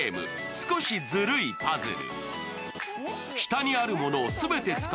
「すこしずるいパズル」。